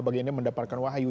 bagaimana mendapatkan wahyu